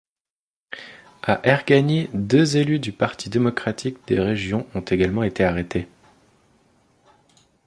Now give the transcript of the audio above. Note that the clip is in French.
À Ergani, deux élus du Parti démocratique des régions ont également été arrêtés.